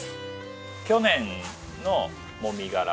去年のもみ殻。